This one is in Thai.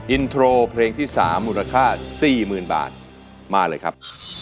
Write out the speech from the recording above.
อินโทรเพลงที่สามมูลค่าสี่หมื่นบาทมาเลยครับ